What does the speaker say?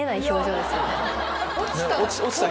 落ちた？